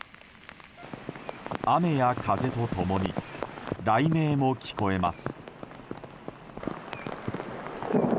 雨や風と共に雷鳴も聞こえます。